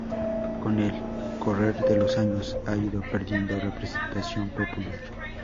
Con el correr de los años ha ido perdiendo representación popular.